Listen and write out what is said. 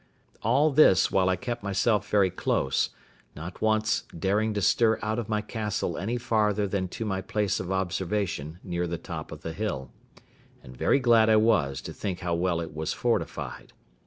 All this while I kept myself very close, not once daring to stir out of my castle any farther than to my place of observation near the top of the hill: and very glad I was to think how well it was fortified.